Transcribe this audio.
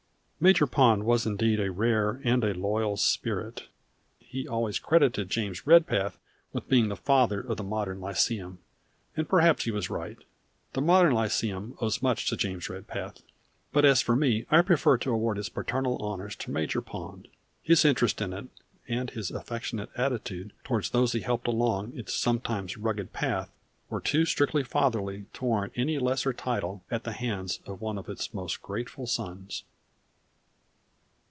Major Pond was indeed a rare and a loyal spirit. He always credited James Redpath with being the Father of the Modern Lyceum, and perhaps he was right. The Modern Lyceum owes much to James Redpath; but as for me I prefer to award its paternal honors to Major Pond. His interest in it, and his affectionate attitude toward those he helped along its sometimes rugged path, were too strictly fatherly to warrant any lesser title at the hands of one of its most grateful sons.